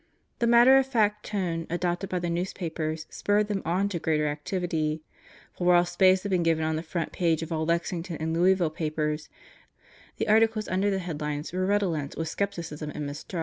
The matter of fact tone adopted by the news papers spurred them on to greater activity; for while space had been given on the front page of all Lexington and Louisville papers, the articles under the headlines were redolent with skepti cism and mistrust.